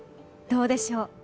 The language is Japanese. どうでしょう？